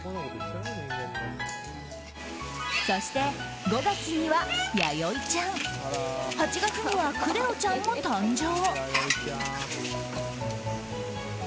そして５月には、ヤヨイちゃん８月にはクレオちゃんも誕生。